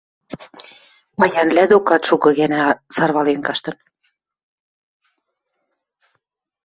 Паянвлӓ докат шукы гӓнӓ сарвален каштын.